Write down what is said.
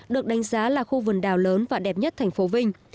được đánh giá là khu vườn đào lớn và đẹp nhất thành phố vinh